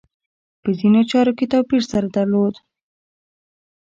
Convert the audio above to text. په ځینو چارو کې توپیر سره درلود.